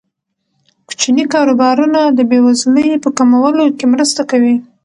کوچني کاروبارونه د بې وزلۍ په کمولو کې مرسته کوي.